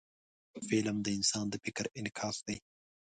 فلم د انسان د فکر انعکاس دی